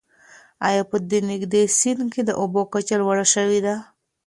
آیا په دې نږدې سیند کې د اوبو کچه لوړه شوې ده؟